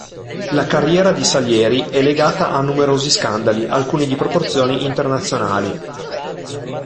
La carriera di Salieri è legata a numerosi scandali, alcuni di proporzioni internazionali.